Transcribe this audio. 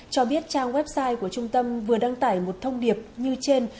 cho biết trang website của trung tâm vừa đăng tải một thông điệp như trên